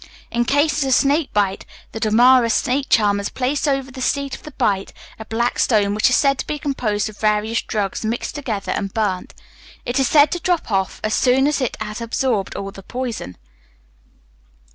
In cases of snake bite, the Dommara snake charmers place over the seat of the bite a black stone, which is said to be composed of various drugs mixed together and burnt. It is said to drop off, as soon as it has absorbed all the poison.